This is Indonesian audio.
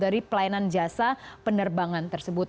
dari pelayanan jasa penerbangan tersebut